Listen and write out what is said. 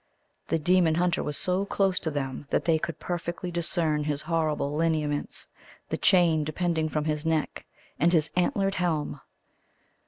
The demon hunter was so close to them that they could perfectly discern his horrible lineaments, the chain depending from his neck, and his antlered helm.